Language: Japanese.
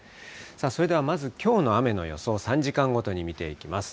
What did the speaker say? さあ、それではまずきょうの雨の予想、３時間ごとに見ていきます。